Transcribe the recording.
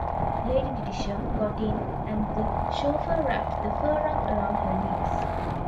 Lady Dittisham got in and the chauffeur wrapped the fur rug around her knees.